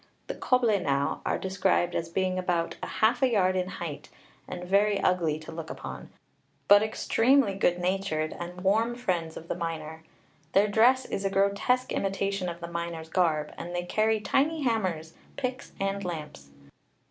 The coblynau are described as being about half a yard in height and very ugly to look upon, but extremely good natured, and warm friends of the miner. Their dress is a grotesque imitation of the miner's garb, and they carry tiny hammers, picks and lamps.